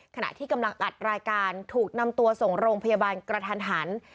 ขณะที่กำลังอัดรายการถูกนำตัวส่งโรงพยาบาลกระทันหัน